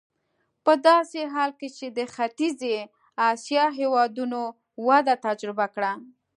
په داسې حال کې چې د ختیځې اسیا هېوادونو وده تجربه کړه.